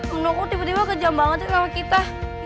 menunggu tiba tiba kejam banget sih sama kita